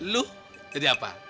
lo jadi apa